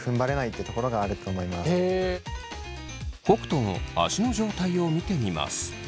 あと北斗の足の状態を見てみます。